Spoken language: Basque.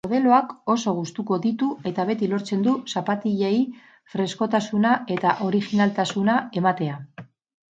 Modeloak oso gustuko ditu eta beti lortzen du zapatilei freskotasuna eta originaltasuna ematea.